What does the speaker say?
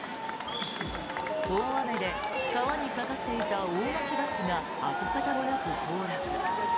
大雨で川に架かっていた大巻橋が跡形もなく崩落。